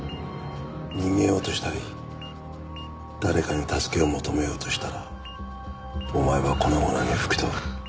逃げようとしたり誰かに助けを求めようとしたらお前は粉々に吹き飛ぶ。